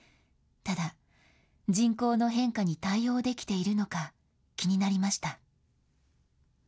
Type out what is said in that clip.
ただ、人口の変化に対応できているのか、気になりました。